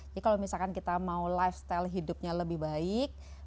jadi kalau misalkan kita mau lifestyle hidupnya lebih baik